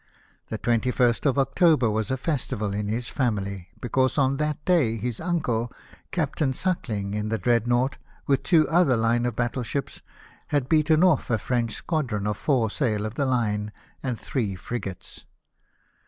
The 21st of October was a festival in his family ; because on that day his uncle, Captain Suckling, in the Dreadnought, with two other line of battle ships, had beaten off a French squadron of four sail of the hne and three frigates.